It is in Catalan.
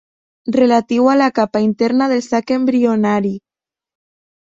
Relatiu a la capa interna del sac embrionari.